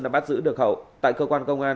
đã bắt giữ được hậu tại cơ quan công an